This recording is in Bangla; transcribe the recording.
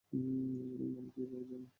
আমার নাম কীভাবে জানলে?